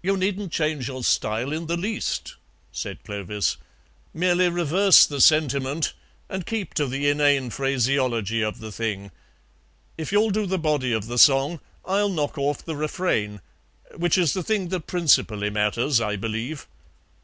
"You needn't change your style in the least," said Clovis; "merely reverse the sentiment and keep to the inane phraseology of the thing. If you'll do the body of the song I'll knock off the refrain, which is the thing that principally matters, I believe.